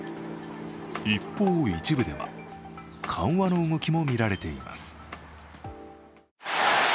一方、一部では緩和の動きも見られています。